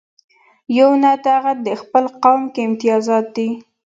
یونه دغه دې خپل قوم کې امتیازات دي.